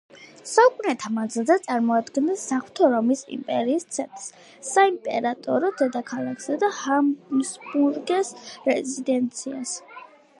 საუკუნეთა მანძილზე წარმოადგენდა საღვთო რომის იმპერიის ცენტრს, საიმპერატორო დედაქალაქსა და ჰაბსბურგების რეზიდენციას.